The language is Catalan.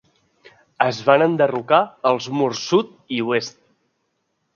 Es van enderrocar els murs sud i oest.